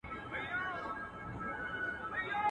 ما خو دا نه ویل شینکی آسمانه.